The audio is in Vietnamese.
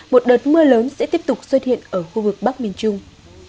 một đợt mưa lớn sẽ tiếp tục xuất hiện ở khu vực bắc miền trung